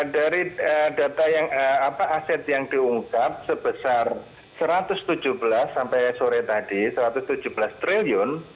dari data aset yang diungkap sebesar satu ratus tujuh belas triliun